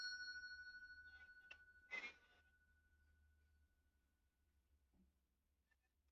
wanasayansi walithibitisha kuwa chuma cha titanic hakikuwa bora